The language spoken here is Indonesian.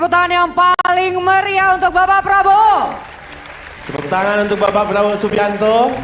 tangan untuk bapak prabowo subianto